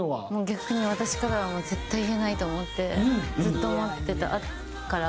逆に私からはもう絶対言えないと思ってずっと思ってたから。